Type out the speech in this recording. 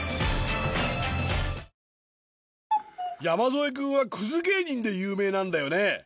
山添君はくず芸人で有名なんだよね？